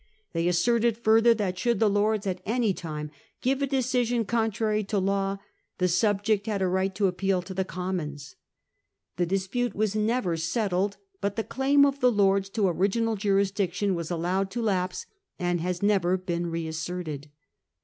They asserted further that should the Lords at any time give a decision contrary to law the subject had a right to appeal to the Commons. The 172 Contest regarding Toleration. 1671. dispute was never settled, but the claim of the Lords to original jurisdiction was allowed to lapse, and has never been reasserted.